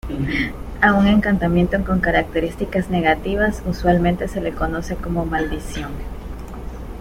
A un encantamiento con características negativas usualmente se le conoce como maldición.